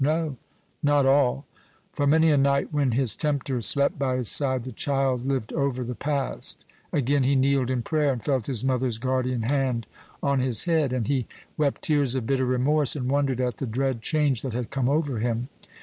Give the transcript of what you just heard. No, not all; for many a night, when his tempter slept by his side, the child lived over the past; again he kneeled in prayer, and felt his mother's guardian hand on his head, and he wept tears of bitter remorse, and wondered at the dread change that had come over him.